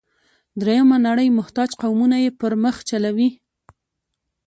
درېیمه نړۍ محتاج قومونه یې پر مخ چلوي.